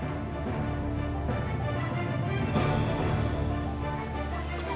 tuan amalin aku sudah mencari tuan amalin